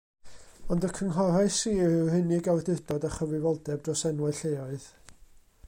Ond y cynghorau sir yw'r unig awdurdod â chyfrifoldeb dros enwau lleoedd.